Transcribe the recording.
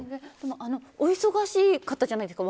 お忙しい方じゃないですか。